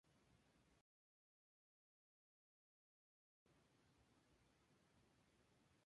Daniel nació cerca de Taunton en Somerset, hijo de un maestro de música.